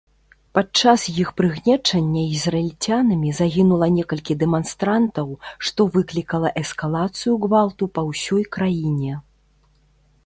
Падчас іх прыгнечання ізраільцянамі загінула некалькі дэманстрантаў, што выклікала эскалацыю гвалту па ўсёй краіне.